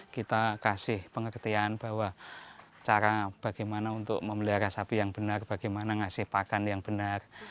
kita kasih pengertian bahwa cara bagaimana untuk memelihara sapi yang benar bagaimana ngasih pakan yang benar